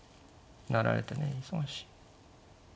成られてね忙しい。